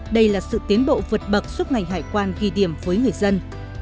đây là sự tiến bộ vượt bậc suốt ngành hải quan ghi điểm với người dân